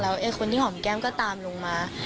แล้วคนที่หอมแก้มก็ตามลงมา